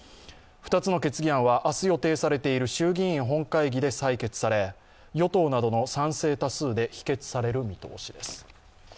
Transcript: ２つの決議案は明日予定されている衆議院本会議で採決され与党などの賛成多数で否決される見通しです。